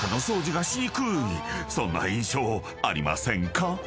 ［そんな印象ありませんか？］